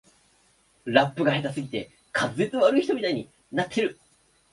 ラップが下手すぎて滑舌悪い人みたいになってる